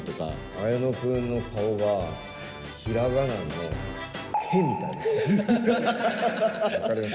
綾野君の顔が、ひらがなの、へみたいな顔。